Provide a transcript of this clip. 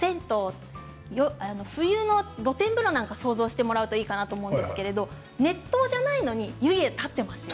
冬の露天風呂なんかを想像してもらうといいかなと思うんですけれども熱湯じゃないのに湯気が立ってる。